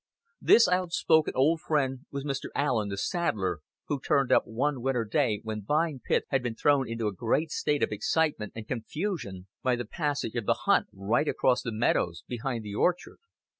This outspoken old friend was Mr. Allen the saddler, who turned up one winter day when Vine Pits had been thrown into a great state of excitement and confusion by the passage of the hunt right across the meadows behind the orchard.